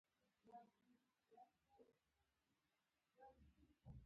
هغه غوښتل خپله کيسه ميليونو کڼو ته وکړي.